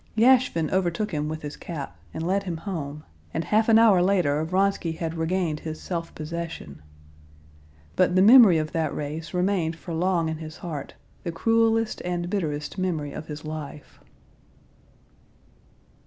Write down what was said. Yashvin overtook him with his cap, and led him home, and half an hour later Vronsky had regained his self possession. But the memory of that race remained for long in his heart, the cruelest and bitterest memory of his life.